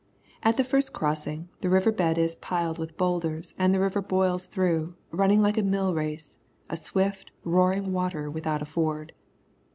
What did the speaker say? At the first crossing, the river bed is piled with boulders, and the river boils through, running like a millrace, a swift, roaring water without a ford.